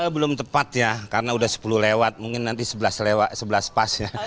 belum tepat ya karena sudah sepuluh lewat mungkin nanti sebelas lewat sebelas pas